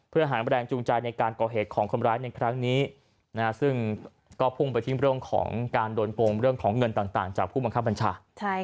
เพื่อหาแรงจูงใจในการก่อเหตุของคนร้ายในครั้งนี้ซึ่งก็พุ่งไปที่เรื่องของการโดนโกงเรื่องของเงินต่างจากผู้บังคับบัญชา